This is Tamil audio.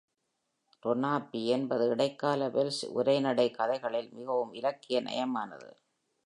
"ரோனாப்வி" என்பது இடைக்கால வெல்ஷ் உரைநடை கதைகளில் மிகவும் இலக்கிய நயமானது.